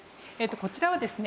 こちらはですね